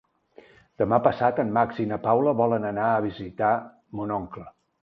Demà passat en Max i na Paula volen anar a visitar mon oncle.